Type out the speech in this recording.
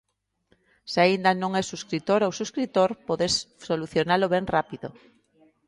Se aínda non es subscritora ou subscritor, podes solucionalo ben rápido.